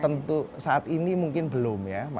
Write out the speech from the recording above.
tentu saat ini mungkin belum ya